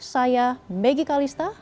saya megi kalista